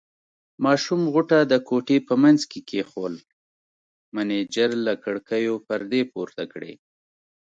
ماشوم غوټه د کوټې په منځ کې کېښوول، مېنېجر له کړکیو پردې پورته کړې.